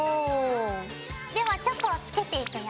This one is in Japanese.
ではチョコをつけていくよ。